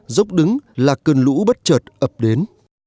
dốc đứng là cơn lũ bất chợt ập đến